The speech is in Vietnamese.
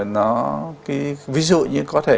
nó ví dụ như có thể